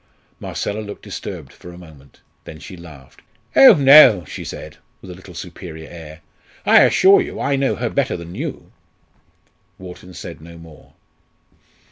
Marcella looked disturbed for a moment, then she laughed. "Oh, no!" she said, with a little superior air. "I assure you I know her better than you." Wharton said no more.